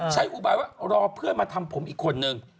อุบายว่ารอเพื่อนมาทำผมอีกคนนึง